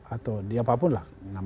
atau di apapun lah